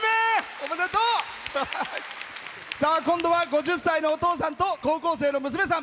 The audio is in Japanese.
今度は５０歳のお父さんと高校生の娘さん。